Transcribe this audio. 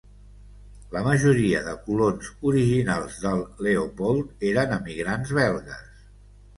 La majoria de colons originals del Leopold eren emigrants belgues.